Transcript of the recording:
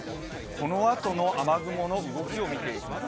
このあとの雨雲の動きを見ていきます。